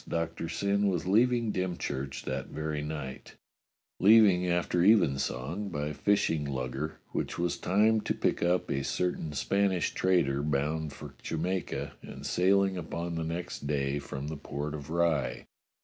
Doctor Syn was leaving Dym church that very night; leaving after evensong by fish ing lugger which was timed to pick up a certain Spanish trader bound for Jamaica and sailing upon the next day from the port of Rye.